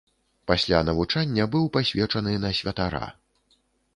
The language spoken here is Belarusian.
Пасля навучання быў пасвечаны на святара.